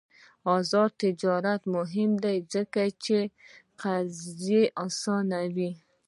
آزاد تجارت مهم دی ځکه چې قرضې اسانوي.